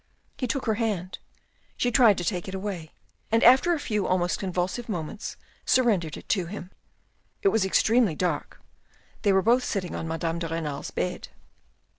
He took her hand ; she tried to take it away, and after a few almost convulsive moments, surrendered it to him. It was extremely dark; they were both sitting on MaJame de Renal's bed.